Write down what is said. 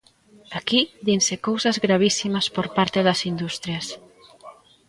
Aquí dinse cousas gravísimas por parte das industrias.